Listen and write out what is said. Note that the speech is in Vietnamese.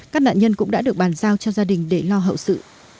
các nạn nhân cũng đã được bàn giao cho gia đình để lo hậu sự